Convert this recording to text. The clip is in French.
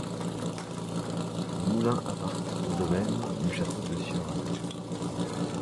Le moulin appartient au domaine du château de Cieurac.